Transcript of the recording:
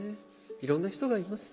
いろんな人がいます。